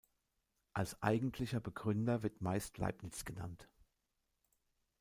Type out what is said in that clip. Als eigentlicher Begründer wird meist Leibniz genannt.